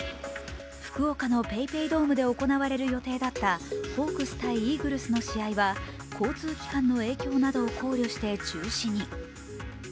福岡のＰａｙＰａｙドームで行われる予定だったホークス×イーグルスの試合は交通機関の影響などを考慮して中止に。